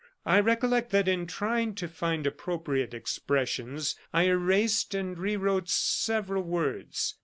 I recollect that in trying to find appropriate expressions I erased and rewrote several words.